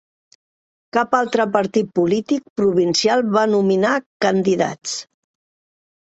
Cap altre partit polític provincial va nominar candidats.